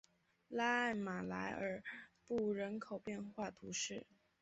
拉艾马莱尔布人口变化图示